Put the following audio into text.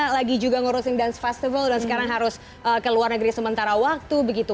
lagi juga ngurusin dance festival dan sekarang harus ke luar negeri sementara waktu begitu